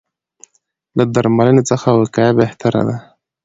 له درملنې څخه وقایه بهتره ده.